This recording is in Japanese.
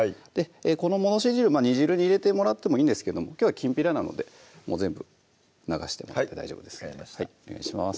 この戻し汁煮汁に入れてもらってもいいんですけどきょうは「きんぴら」なのでもう全部流してもらって大丈夫ですお願いします